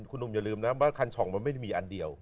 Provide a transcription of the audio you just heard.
คุณหนุ่มอย่าลืมนะว่าคันช่องมันไม่ได้มีอันเดียว